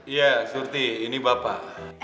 iya surti ini bapak